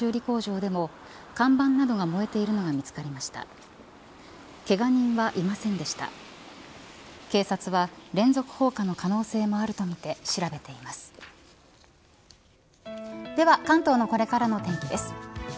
では関東のこれからのお天気です。